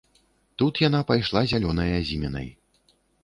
Тут яна пайшла зялёнай азімінай.